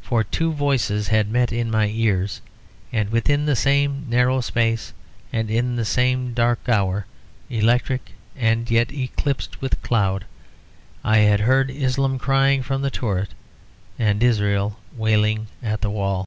For two voices had met in my ears; and within the same narrow space and in the same dark hour, electric and yet eclipsed with cloud, I had heard Islam crying from the turret and Israel wailing at the wall.